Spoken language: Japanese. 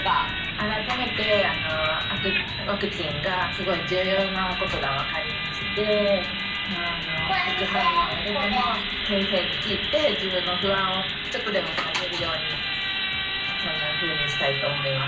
改めてワクチンがすごい重要なことが分かりまして副反応が出ても先生に聞いて自分の不安をちょっとでも下げるようにそんなふうにしたいと思います。